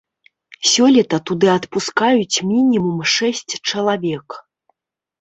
Сёлета туды адпускаюць мінімум шэсць чалавек.